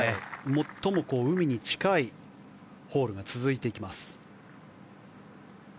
最も海に近いホールが続いていきます。